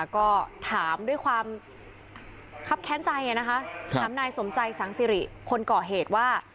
ก็ถามด้วยความคับแค้นใจนะคะถามนายสมใจสังสิริคนก่อเหตุว่า